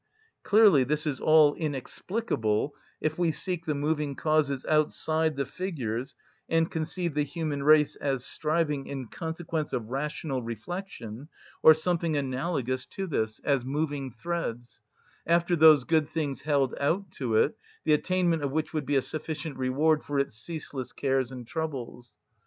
Clearly this is all inexplicable if we seek the moving causes outside the figures and conceive the human race as striving, in consequence of rational reflection, or something analogous to this (as moving threads), after those good things held out to it, the attainment of which would be a sufficient reward for its ceaseless cares and troubles.